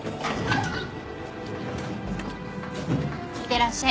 いってらっしゃい。